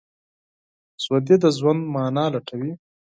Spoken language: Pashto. ژوندي د ژوند معنی لټوي